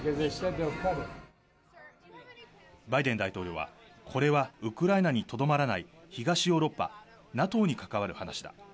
バイデン大統領はこれはウクライナにとどまらない東ヨーロッパ、ＮＡＴＯに関わる話だ。